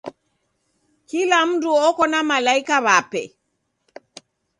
Kila mndu oko na malaika wape.